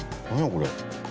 これ。